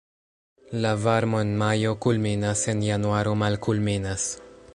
La varmo en majo kulminas, en januaro malkulminas.